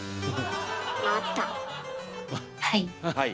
はい。